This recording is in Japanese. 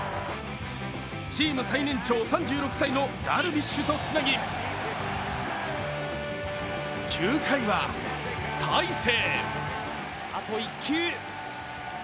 チーム最年長、３６歳のダルビッシュとつなぎ、９回は大勢。